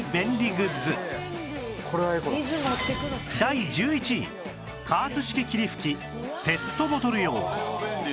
第１１位加圧式霧吹きペットボトル用